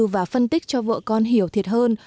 và phân tích cho vợ con hiểu thiệt hơn